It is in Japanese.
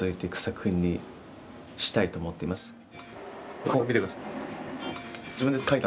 ここ見て下さい。